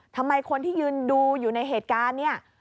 ทำไมคนที่ยืนดูอยู่ในเหตุการณ์เนี่ย